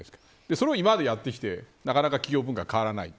それは今までやってきてなかなか企業文化は変わらない。